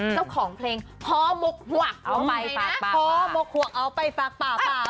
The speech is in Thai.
เจ้าของเพลงพอมกหวกเอาไปฝากป่า